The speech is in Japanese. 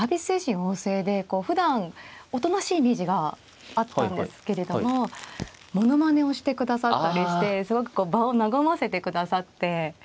精神旺盛でふだんおとなしいイメージがあったんですけれどもものまねをしてくださったりしてすごくこう場を和ませてくださって。